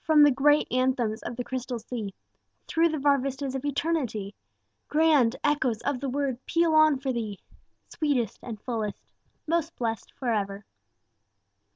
From the great anthems of the Crystal Sea, Through the far vistas of Eternity, Grand echoes of the word peal on for thee, Sweetest and fullest: 'Most blessed for ever.'